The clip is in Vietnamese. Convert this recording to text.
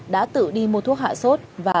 đã tự đi mua thuốc hạ sốt và